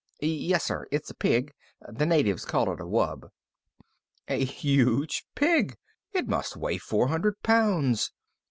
"Yes sir, it's a pig. The natives call it a wub." "A huge pig. It must weigh four hundred pounds."